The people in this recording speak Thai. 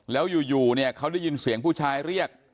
แล้วอยู่เนี่ยเขาได้ยินเสียงผู้ชายเรียก